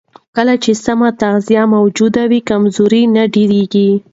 کله چې سم تغذیه موجوده وي، کمزوري نه ډېرېږي.